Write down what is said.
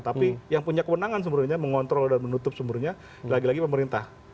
tapi yang punya kewenangan sebenarnya mengontrol dan menutup sumbernya lagi lagi pemerintah